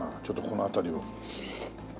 ちょっとこの辺りを。